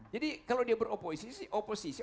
jadi kalau dia beroposisi